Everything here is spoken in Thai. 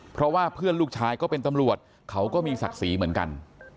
เพราะว่าเพื่อนลูกชายก็เป็นตำรวจเขาก็มีศักดิ์ศรีเหมือนกัน